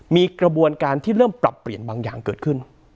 มีกระบวนการที่เริ่มปรับเปลี่ยนบางอย่างเกิดขึ้น